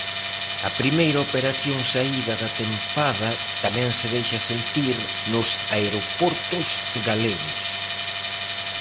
A primeira operación saída da tempada tamén se deixa sentir nos aeroportos galegos.